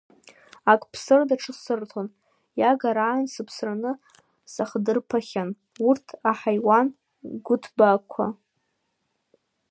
Ак ԥсыр, даҽак аасырҭон, иагараан сыԥсраны сахдырԥахьан, урҭ аҳаиуан гуҭбаақуа!